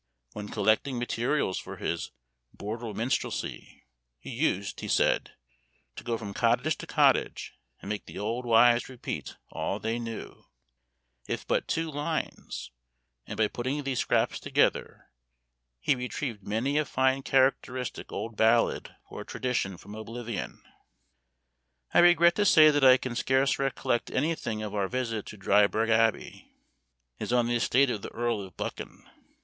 When collecting materials for his "Border Minstrelsy," he used, he said, to go from cottage to cottage, and make the old wives repeat all they knew, if but two lines; and by putting these scraps together, he retrieved many a fine characteristic old ballad or tradition from oblivion. I regret to say that I can scarce recollect anything of our visit to Dryburgh Abbey. It is on the estate of the Earl of Buchan.